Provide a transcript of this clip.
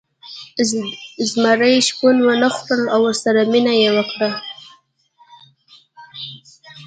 زمري شپون ونه خوړ او ورسره مینه یې وکړه.